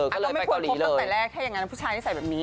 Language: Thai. ก็เลยไปเกาหลีเลยอ้าวก็ไม่พูดพบตั้งแต่แรกแค่อย่างนั้นผู้ชายที่ใส่แบบนี้